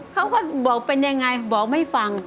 เขาก็บอกเป็นยังไงบอกไม่ฟัง